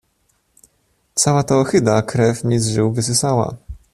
"Cała ta ohyda krew mi z żył wysysała."